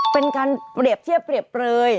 เป็นการเปรียบเทียบเปรียบเปลย